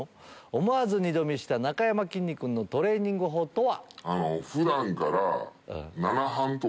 思わず二度見したなかやまきんに君のトレーニング法とは？